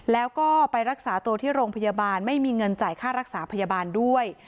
แล้วก็ไปรักษาตัวที่โรงพยาบาลไม่มีเงินจ่ายค่ารักษาพยาบาลด้วย